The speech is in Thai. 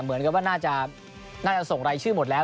เหมือนกับว่าน่าจะส่งรายชื่อหมดแล้ว